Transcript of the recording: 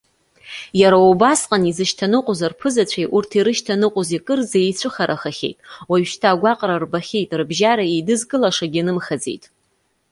Иара убасҟан изышьҭаныҟәоз рԥызацәеи урҭ ирышьҭаныҟәози кырӡа еицәыхарахахьеит, уажәшьҭа агәаҟра рбахьеит, рыбжьара иеидызкылашагьы нымхаӡеит.